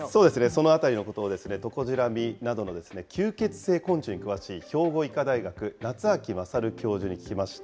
そのあたりのことを、トコジラミなどの吸血性昆虫に詳しい兵庫医科大学、夏秋優教授に聞きました。